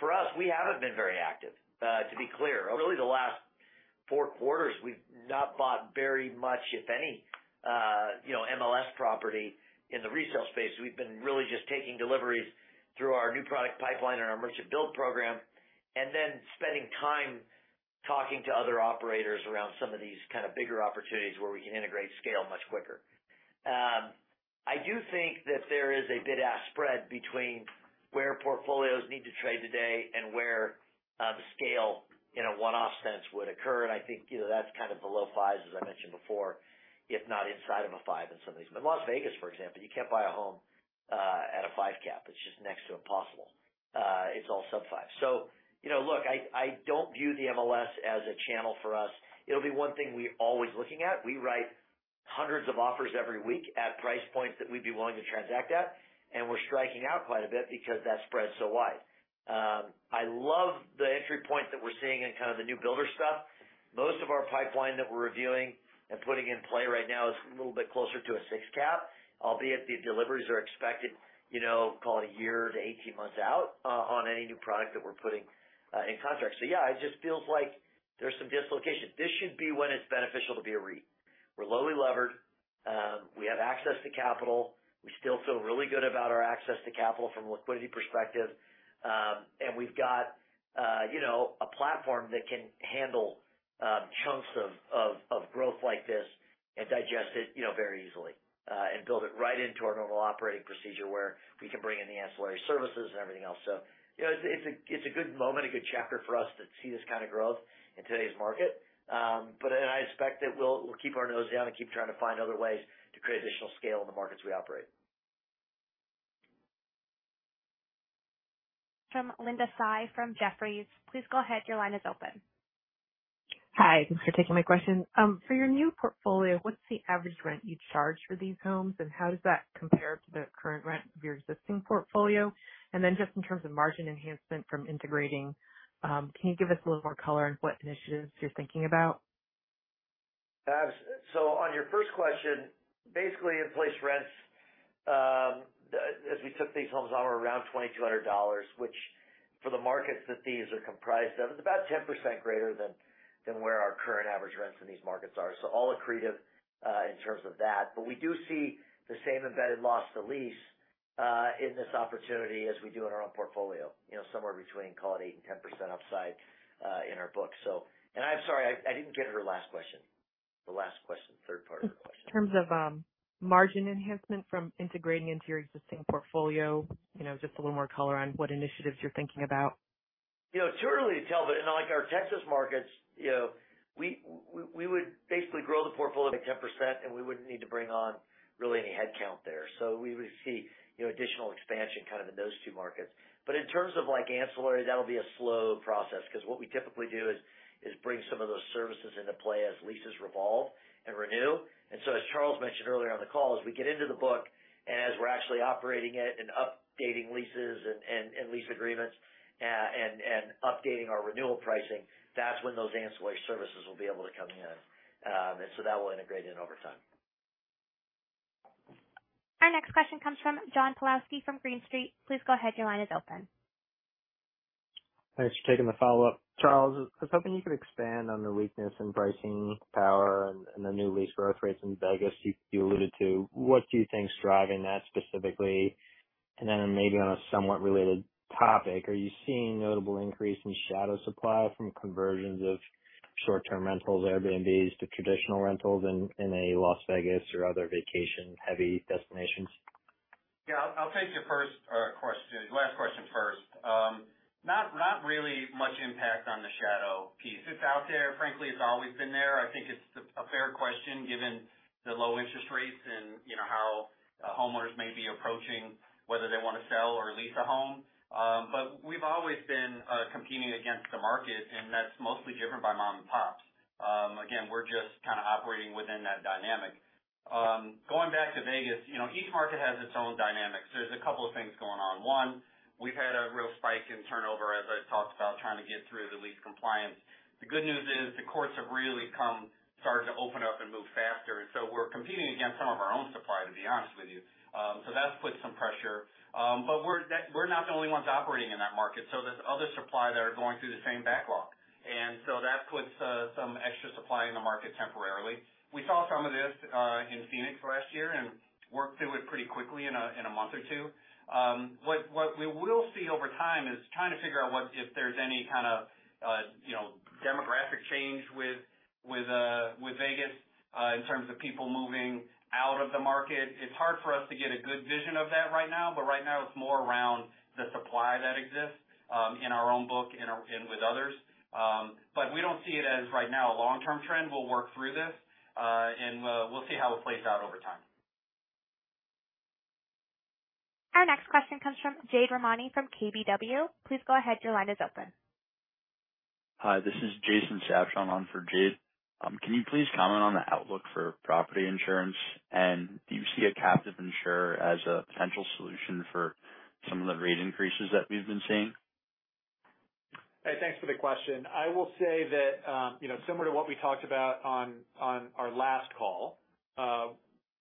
S3: For us, we haven't been very active, to be clear. Really, the last four quarters, we've not bought very much, if any, you know, MLS property in the resale space. We've been really just taking deliveries through our new product pipeline and our merchant build program, and then spending time talking to other operators around some of these kind of bigger opportunities where we can integrate scale much quicker. I do think that there is a bid-ask spread between where portfolios need to trade today and where scale in a one-off sense would occur. I think, you know, that's kind of the low 5s, as I mentioned before, if not inside of a 5 in some of these. Las Vegas, for example, you can't buy a home at a 5 cap. It's just next to impossible. It's all sub-5. Look, I don't view the MLS as a channel for us. It'll be one thing we're always looking at. We write hundreds of offers every week at price points that we'd be willing to transact at. We're striking out quite a bit because that spread's so wide. I love the entry point that we're seeing in kind of the new builder stuff. Most of our pipeline that we're reviewing and putting in play right now is a little bit closer to a 6 cap, albeit the deliveries are expected, you know, call it a year to 18 months out on any new product that we're putting in contract. Yeah, it just feels like there's some dislocation. This should be when it's beneficial to be a REIT. We're lowly levered. We have access to capital. We still feel really good about our access to capital from a liquidity perspective. We've got, you know, a platform that can handle chunks of growth like this and digest it, you know, very easily and build it right into our normal operating procedure, where we can bring in the ancillary services and everything else. You know, it's a good moment, a good chapter for us to see this kind of growth in today's market. I expect that we'll keep our nose down and keep trying to find other ways to create additional scale in the markets we operate.
S1: From Linda Tsai from Jefferies. Please go ahead. Your line is open.
S21: Hi, thanks for taking my question. For your new portfolio, what's the average rent you charge for these homes, and how does that compare to the current rent of your existing portfolio? Just in terms of margin enhancement from integrating, can you give us a little more color on what initiatives you're thinking about?
S3: On your first question, basically, in place rents, as we took these homes on, were around $2,200, which for the markets that these are comprised of, is about 10% greater than where our current average rents in these markets are. All accretive in terms of that. We do see the same embedded loss to lease in this opportunity as we do in our own portfolio. You know, somewhere between, call it 8% and 10% upside in our book, so. I'm sorry, I didn't get her last question. The last question, third part of the question.
S21: In terms of, margin enhancement from integrating into your existing portfolio, you know, just a little more color on what initiatives you're thinking about.
S3: You know, it's too early to tell. In, like, our Texas markets, you know, we would basically grow the portfolio by 10%, and we wouldn't need to bring on really any headcount there. We would see, you know, additional expansion kind of in those two markets. In terms of like ancillary, that'll be a slow process because what we typically do is bring some of those services into play as leases revolve and renew. As Charles mentioned earlier on the call, as we get into the book and as we're actually operating it and updating leases and lease agreements, and updating our renewal pricing, that's when those ancillary services will be able to come in. That will integrate in over time.
S1: Our next question comes from John Pawlowski from Green Street. Please go ahead. Your line is open.
S10: Thanks for taking the follow-up. Charles, I was hoping you could expand on the weakness in pricing power and the new lease growth rates in Vegas you alluded to. What do you think is driving that specifically? Then maybe on a somewhat related topic, are you seeing notable increase in shadow supply from conversions of short-term rentals, Airbnbs, to traditional rentals in a Las Vegas or other vacation-heavy destinations?
S5: Yeah, I'll take your first question, last question first. Not really much impact on the shadow piece. It's out there. Frankly, it's always been there. I think it's a fair question, given the low interest rates and, you know, how homeowners may be approaching whether they want to sell or lease a home. We've always been competing against the market, and that's mostly driven by mom and pops. Again, we're just kind of operating within that dynamic. Going back to Vegas, you know, each market has its own dynamics. There's a couple of things going on. One, we've had a real spike in turnover, as I talked about, trying to get through the lease compliance. The good news is the courts have started to open up and move faster, so we're competing against some of our own supply, to be honest with you. So that's put some pressure. But we're not the only ones operating in that market, so there's other supply that are going through the same backlog. That puts some extra supply in the market temporarily. We saw some of this in Phoenix last year and worked through it pretty quickly in a month or two. What we will see over time is trying to figure out if there's any kind of, you know, demographic change with Vegas in terms of people moving out of the market. It's hard for us to get a good vision of that right now. Right now it's more around the supply that exists in our own book and our, and with others. We don't see it as, right now, a long-term trend. We'll work through this, and we'll see how it plays out over time.
S1: Our next question comes from Jade Rahmani from KBW. Please go ahead. Your line is open.
S22: Hi, this is Jason Sabshon on for Jade. Can you please comment on the outlook for property insurance, and do you see a captive insurer as a potential solution for some of the rate increases that we've been seeing?
S5: Hey, thanks for the question. I will say that, you know, similar to what we talked about on our last call,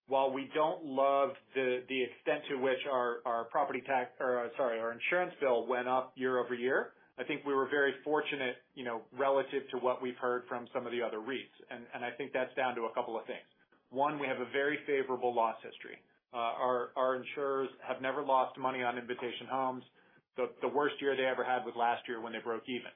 S5: while we don't love the extent to which our property tax, or sorry, our insurance bill went up year-over-year, I think we were very fortunate, you know, relative to what we've heard from some of the other REITs. I think that's down to a couple of things. One, we have a very favorable loss history. Our insurers have never lost money on Invitation Homes. The worst year they ever had was last year when they broke even.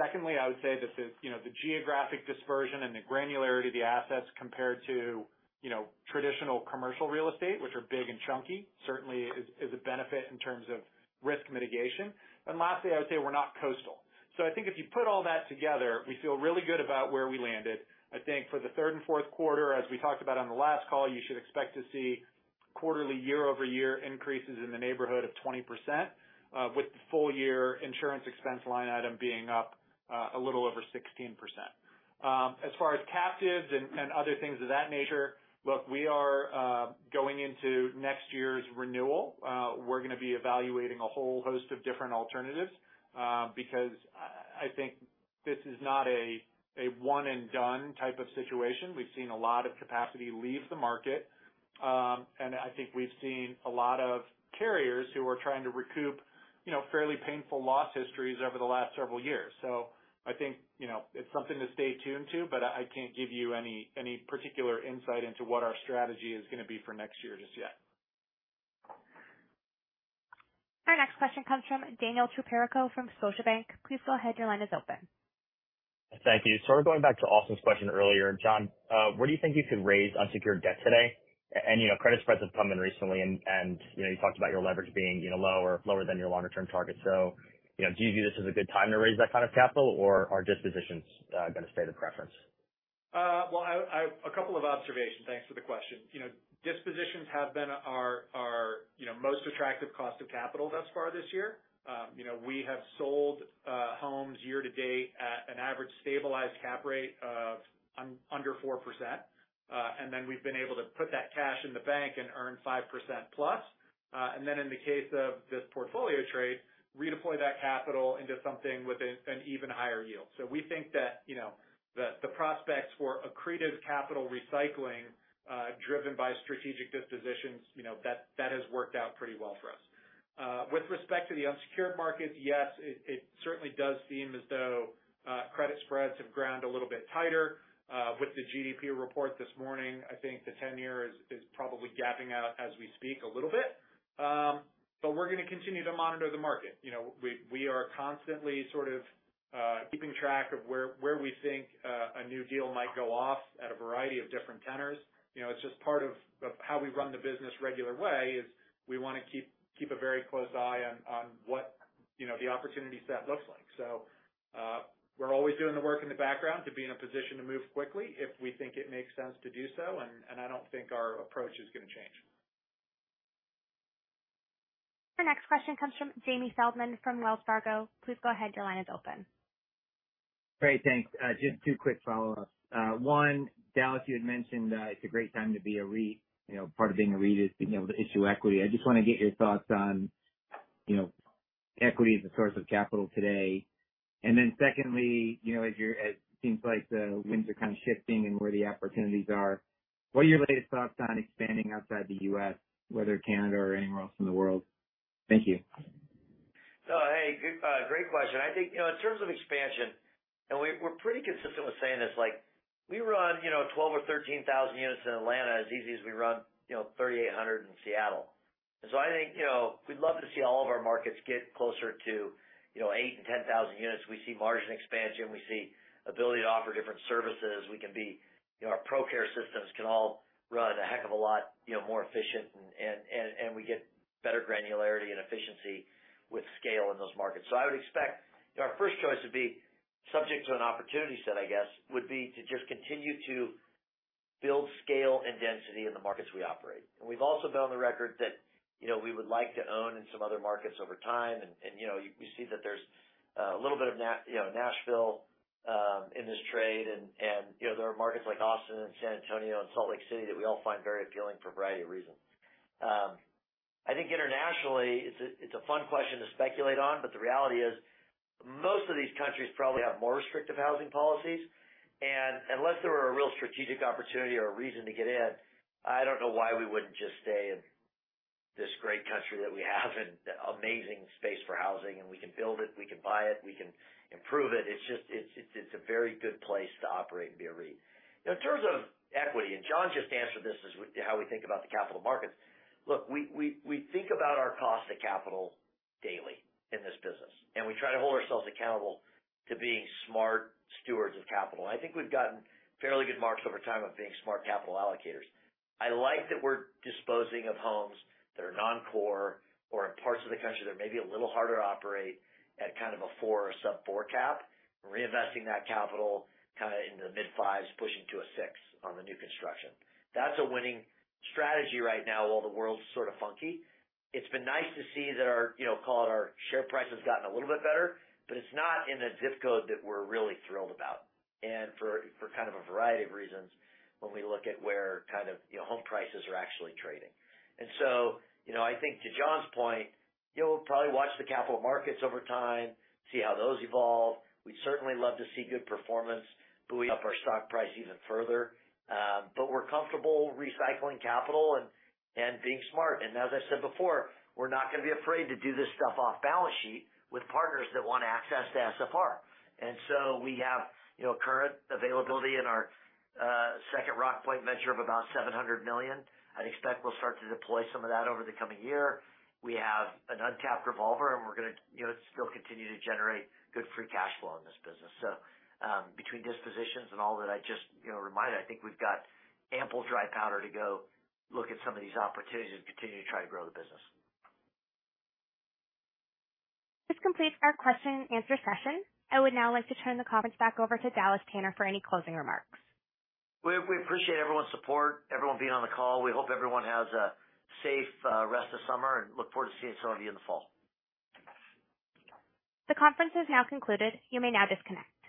S5: Secondly, I would say that the, you know, the geographic dispersion and the granularity of the assets compared to, you know, traditional commercial real estate, which are big and chunky, certainly is, is a benefit in terms of risk mitigation. Lastly, I would say we're not coastal. I think if you put all that together, we feel really good about where we landed. I think for the third and fourth quarter, as we talked about on the last call, you should expect to see quarterly year-over-year increases in the neighborhood of 20%, with the full-year insurance expense line item being up a little over 16%. As far as captives and other things of that nature, look, we are going into next year's renewal. We're gonna be evaluating a whole host of different alternatives because I think this is not a one-and-done type of situation. We've seen a lot of capacity leave the market. I think we've seen a lot of carriers who are trying to recoup, you know, fairly painful loss histories over the last several years. I think, you know, it's something to stay tuned to, but I can't give you any particular insight into what our strategy is gonna be for next year just yet.
S1: Our next question comes from Daniel Tricarico from Scotiabank. Please go ahead. Your line is open.
S13: Thank you. We're going back to Austin's question earlier. Jon, where do you think you could raise unsecured debt today? You know, credit spreads have come in recently, and, you know, you talked about your leverage being, you know, lower than your longer-term target. You know, do you view this as a good time to raise that kind of capital, or are dispositions, gonna stay the preference?
S5: Well, a couple of observations. Thanks for the question. You know, dispositions have been our, you know, most attractive cost of capital thus far this year. You know, we have sold homes year-to-date at an average stabilized cap rate of under 4%. Then we've been able to put that cash in the bank and earn 5%+. Then in the case of this portfolio trade, redeploy that capital into something with an even higher yield. We think that, you know, the prospects for accretive capital recycling, driven by strategic dispositions, you know, that has worked out pretty well for us. With respect to the unsecured markets, yes, it certainly does seem as though credit spreads have ground a little bit tighter. With the GDP report this morning, I think the ten-year is probably gapping out as we speak a little bit. We're gonna continue to monitor the market. You know, we are constantly sort of keeping track of where we think a new deal might go off at a variety of different tenors. You know, it's just part of how we run the business regular way, is we wanna keep a very close eye on what, you know, the opportunity set looks like. We're always doing the work in the background to be in a position to move quickly if we think it makes sense to do so, and I don't think our approach is gonna change.
S1: The next question comes from Jamie Feldman from Wells Fargo. Please go ahead. Your line is open.
S8: Great, thanks. Just two quick follow-ups. One, Dallas, you had mentioned, it's a great time to be a REIT. You know, part of being a REIT is being able to issue equity. I just wanna get your thoughts on, you know, equity as a source of capital today. Secondly, you know, as seems like the winds are kind of shifting and where the opportunities are, what are your latest thoughts on expanding outside the U.S., whether Canada or anywhere else in the world? Thank you.
S3: Hey, good, great question. I think, you know, in terms of expansion, we're pretty consistent with saying this, like we run, you know, 12,000 units or 13,000 units in Atlanta as easy as we run, you know, 3,800 in Seattle. I think, you know, we'd love to see all of our markets get closer to, you know, 8,000 and 10,000 units. We see margin expansion, we see ability to offer different services. We can be, you know, our ProCare systems can all run a heck of a lot, you know, more efficient and we get better granularity and efficiency with scale in those markets. I would expect. You know, our first choice would be subject to an opportunity set, I guess, would be to just continue to build scale and density in the markets we operate. We've also been on the record that, you know, we would like to own in some other markets over time. You know, you see that there's a little bit of you know, Nashville in this trade, and, you know, there are markets like Austin and San Antonio and Salt Lake City that we all find very appealing for a variety of reasons. I think internationally, it's a, it's a fun question to speculate on, but the reality is, most of these countries probably have more restrictive housing policies. Unless there were a real strategic opportunity or a reason to get in, I don't know why we wouldn't just stay in this great country that we have and amazing space for housing, and we can build it, we can buy it, we can improve it. It's just, it's a very good place to operate and be a REIT. In terms of equity, and Jon just answered this, is how we think about the capital markets. Look, we think about our cost of capital daily in this business, and we try to hold ourselves accountable to being smart stewards of capital. I think we've gotten fairly good marks over time of being smart capital allocators. I like that we're disposing of homes that are non-core or in parts of the country that may be a little harder to operate at kind of a 4 or sub-4 cap, reinvesting that capital kinda in the mid-5s, pushing to a 6 on the new construction. That's a winning strategy right now, while the world's sort of funky. It's been nice to see that our, you know, call it our share price, has gotten a little bit better, but it's not in a zip code that we're really thrilled about, and for kind of a variety of reasons when we look at where kind of, you know, home prices are actually trading. I think to Jon's point, you know, we'll probably watch the capital markets over time, see how those evolve. We'd certainly love to see good performance, buoy up our stock price even further. But we're comfortable recycling capital and being smart. As I said before, we're not gonna be afraid to do this stuff off balance sheet with partners that want access to SFR. We have, you know, current availability in our second Rockpoint venture of about $700 million. I'd expect we'll start to deploy some of that over the coming year. We have an uncapped revolver, we're gonna, you know, still continue to generate good free cash flow in this business. Between dispositions and all that, I just, you know, reminded, I think we've got ample dry powder to go look at some of these opportunities and continue to try to grow the business.
S1: This completes our question and answer session. I would now like to turn the conference back over to Dallas Tanner for any closing remarks.
S3: We appreciate everyone's support, everyone being on the call. We hope everyone has a safe rest of summer and look forward to seeing some of you in the fall.
S1: The conference is now concluded. You may now disconnect.